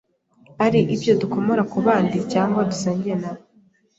ari ibyo dukomora ku bandi cyangwa dusangiye n,abo.